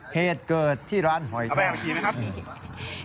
เหตุเกิดที่ร้านหอยทอด